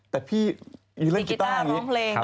แต่พี่มีเรื่องกีต้าร้องเพลงครับพี่กีต้าร้องเพลง